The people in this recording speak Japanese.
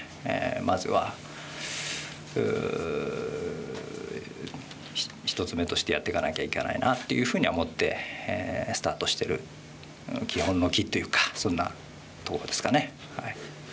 まずは１つ目としてやっていかなきゃいけないなっていうふうには思ってスタートしてる基本の「キ」というかそんなところですかね。